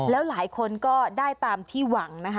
แล้วหลายคนก็ได้ตามที่หวังนะคะ